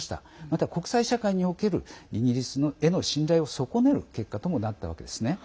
また、国際社会におけるイギリスへの信頼を損ねる結果ともなったわけですね。